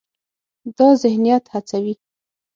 دا ذهنیت هڅوي،